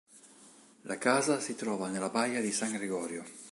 La casa si trova nella baia di San Gregorio.